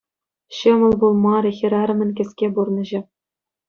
Ҫӑмӑл пулмарӗ хӗрарӑмӑн кӗске пурнӑҫӗ.